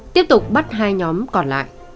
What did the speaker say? tiếp tục bắt hai nhóm còn lại